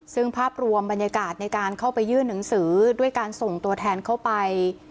ซึ่งภาพรวมบรรยากาศในการเข้าไปยื่นหนังสือด้วยการส่งตัวแทนเข้าไป